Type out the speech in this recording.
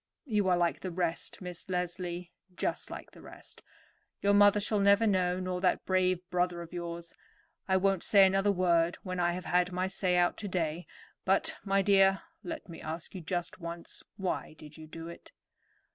You are like the rest, Miss Leslie; just like the rest. Your mother shall never know, nor that brave brother of yours. I won't say another word when I have had my say out today; but, my dear, let me ask you just once, why did you do it?"